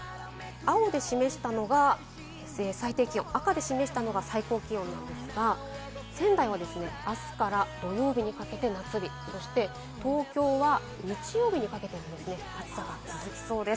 青で示したのが最低気温、赤で示したのが最高気温なんですが、仙台は明日から土曜日にかけて夏日、そして東京は日曜日にかけて暑さが続きそうです。